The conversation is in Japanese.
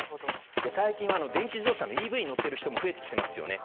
最近は電気自動車のＥＶに乗っている人が増えてきていますね。